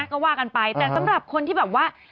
ก็ว่ากันไปแต่สำหรับคนที่แบบว่า